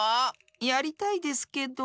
やりたいですけど。